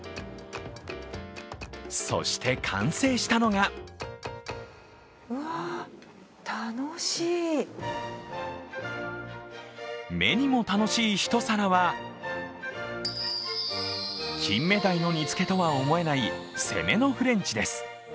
そして完成したのが目にも楽しい一皿は、キンメダイの煮つけとは思えない攻めのフレンチです。